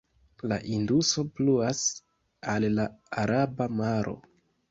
La Induso pluas al la Araba Maro.